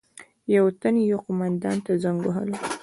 یو تن یو قومندان ته زنګ وهلو.